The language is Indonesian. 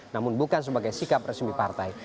namun bukan sebagai sikap resmi partai